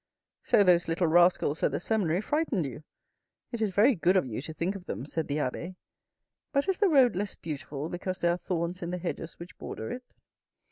"So those little rascals at the seminary frightened you. It is very good of you to think of them," said the abbe. " But is the road less beautiful because there are thorns in the hedges which border it.